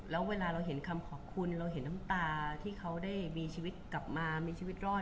แล้วเวลาเราเห็นคำขอบคุณเราเห็นน้ำตาที่เขาได้มีชีวิตกลับมามีชีวิตรอด